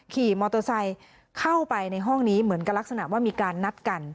ขี่มอเตอร์ไซค์เข้าไปในห้องนี้เหมือนกับลักษณะว่ามีการนัดกัน